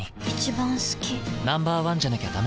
Ｎｏ．１じゃなきゃダメだ。